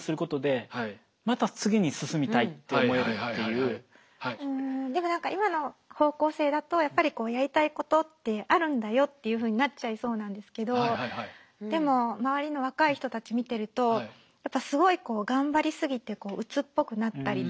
うんでも何か今の方向性だとやっぱりこうやりたいことってあるんだよっていうふうになっちゃいそうなんですけどでも周りの若い人たち見てるとやっぱすごい頑張りすぎてうつっぽくなったりとか。